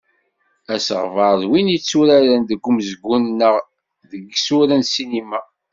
Asegbar d win yetturaren deg umezgun neɣ deg isura n ssinima.